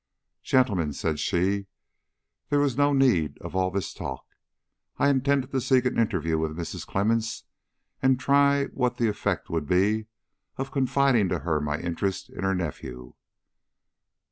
"Gentlemen," said she, "there was no need of all this talk. I intended to seek an interview with Mrs. Clemmens and try what the effect would be of confiding to her my interest in her nephew."